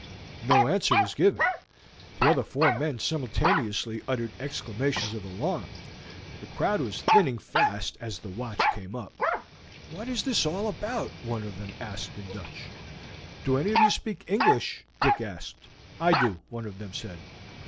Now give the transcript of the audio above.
No answer was given. The other four men simultaneously uttered exclamations of alarm. The crowd was thinning fast as the watch came up. "What is all this about?" one of them asked in Dutch. "Do any of you speak English?" Dick asked. "I do," one of them said.